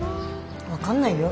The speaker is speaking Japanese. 分かんないよ